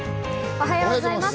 おはようございます。